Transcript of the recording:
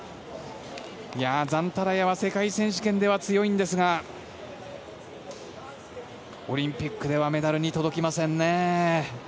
ザンタラヤは世界選手権では強いんですがオリンピックではメダルに届きませんね。